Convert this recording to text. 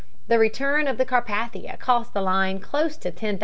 The return of the Carpathia cost the line close to $10,000.